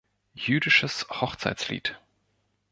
Jüdisches Hochzeitslied.